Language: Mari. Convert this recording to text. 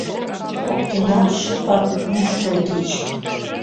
Коктынат шыпак мушкылтыч.